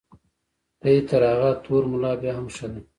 دی تر هغه تور ملا بیا هم ښه دی.